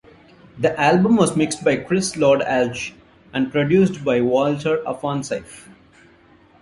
The album was mixed by Chris Lord-Alge and produced by Walter Afanasieff.